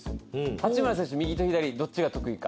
八村選手、右と左どっちが得意か。